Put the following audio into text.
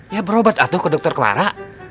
ya berobat atau ke dokter clara